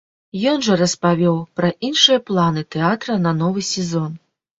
Ён жа распавёў пра іншыя планы тэатра на новы сезон.